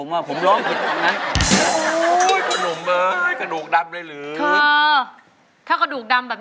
น้องพ่อสิให้นำบอก